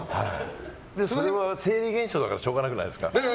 それは生理現象だからしょうがなくないですか。